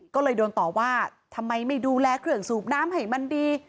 ก็เลยโดนต่อว่าทำไมไม่ดูแลเครื่องสูบน้ำให้มันดี